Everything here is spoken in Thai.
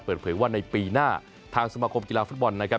เปิดเผยว่าในปีหน้าทางสมาคมกีฬาฟุตบอลนะครับ